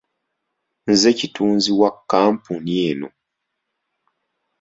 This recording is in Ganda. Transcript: Nze kitunzi wa kkampuni eno.